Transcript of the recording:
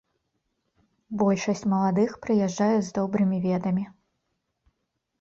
Большасць маладых прыязджаюць з добрымі ведамі.